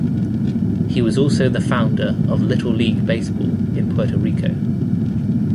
He was also the founder of little league baseball in Puerto Rico.